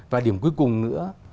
và điểm cuối cùng nữa